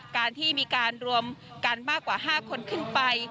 การที่มีการรวมกันมากกว่า๕คนขึ้นไป